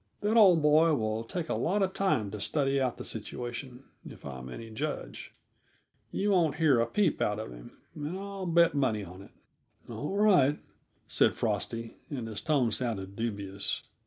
That old boy will take a lot of time to study out the situation, if I'm any judge. You won't hear a peep out of him, and I'll bet money on it." "All right," said Frosty, and his tone sounded dubious.